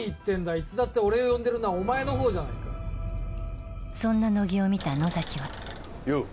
いつだって俺を呼んでるのはお前のほうじゃないかそんな乃木を見た野崎はよおっ！